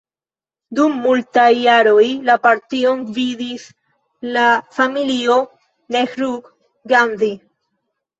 Dum multaj jaroj, la partion gvidis la familio Nehru-Gandhi.